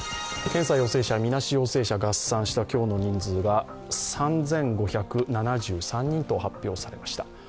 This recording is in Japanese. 検査陽性者、みなし陽性者合算した今日の人数が３５７３人と発表されました。